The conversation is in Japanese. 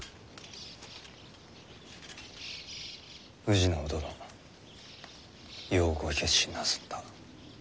氏直殿ようご決心なさった。